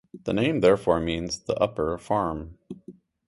The name therefore means "the upper farm".